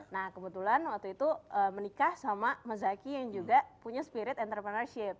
nah kebetulan waktu itu menikah sama mas zaky yang juga punya spirit entrepreneurship